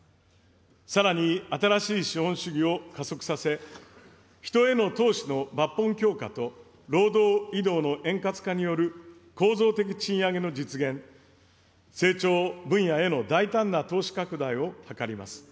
さらに新しい資本主義を加速させ、人への投資の抜本強化と、労働移動の円滑化による構造的賃上げの実現、成長分野への大胆な投資拡大を図ります。